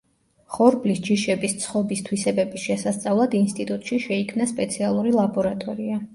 ხორბლის ჯიშების ცხობის თვისებების შესასწავლად ინსტიტუტში შეიქმნა სპეციალური ლაბორატორია.